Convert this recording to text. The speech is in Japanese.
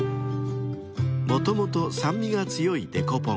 ［もともと酸味が強いデコポン］